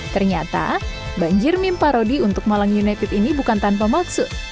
ternyata banjir meme parodi untuk malang united ini bukan tanpa maksud